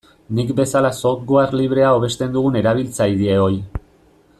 Nik bezala software librea hobesten dugun erabiltzaileoi.